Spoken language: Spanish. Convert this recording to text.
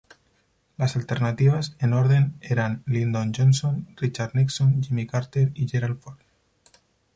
Las alternativas, en orden, eran Lyndon Johnson, Richard Nixon, Jimmy Carter y Gerald Ford.